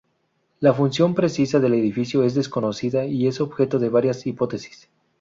La función precisa del edificio es desconocida y es objeto de varias hipótesis.